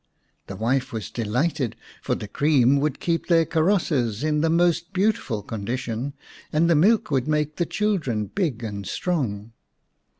The wife was delighted, for the cream would keep their karosses in the most beautiful condition, and the milk would make the children big and strong.